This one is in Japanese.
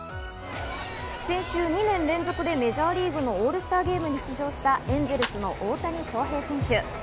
先週、２年連続でメジャーリーグのオールスターゲームに出場したエンゼルスの大谷翔平選手。